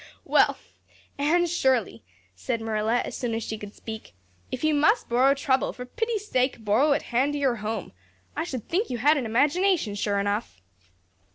"Well, Anne Shirley," said Marilla as soon as she could speak, "if you must borrow trouble, for pity's sake borrow it handier home. I should think you had an imagination, sure enough."